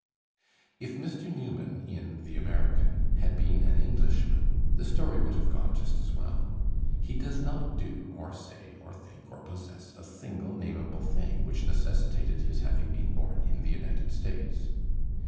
If Mr. Newman in "The American" had been an English man, the stoiy would have gone just as well. He does not do or say or think or possess a single namable thing which necessitated his having been bom in the United States.